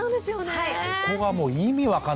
そこがもう意味分かんなくて。